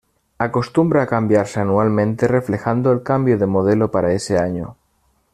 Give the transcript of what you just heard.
Acostumbra a cambiarse anualmente reflejando el cambio de modelo para ese año.